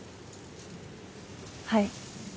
はい。